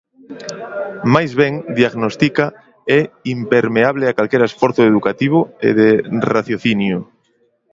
Máis ben, diagnostica, é "impermeable a calquera esforzo educativo e de raciocinio".